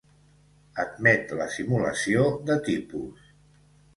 Admet la simulació de tipus.